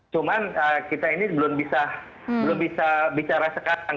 cuman kita ini belum bisa bicara sekarang